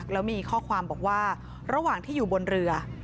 แล้วมีข้อความบอกว่าระหว่างที่อยู่บนเรือ